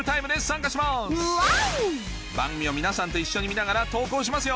番組を皆さんと一緒に見ながら投稿しますよ！